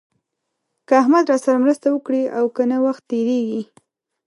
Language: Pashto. که احمد راسره مرسته وکړي او که نه وخت تېرېږي.